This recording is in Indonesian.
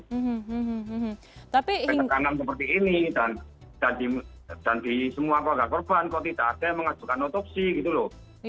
ketekanan seperti ini dan di semua keluarga korban kok tidak ada yang mengajukan otopsi gitu loh